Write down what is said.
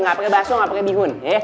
gak pake bakso gak pake bihun